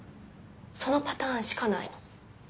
そのパターンしかないの。